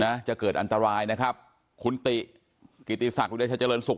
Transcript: นะจะเกิดอันตรายนะครับคุณติกิติศักดิ์วิทยาชาเจริญศุกร์